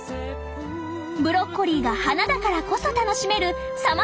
ブロッコリーが花だからこそ楽しめるさまざまな味わい。